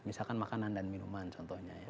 misalkan makanan dan minuman contohnya ya